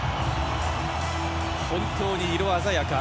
本当に色鮮やか。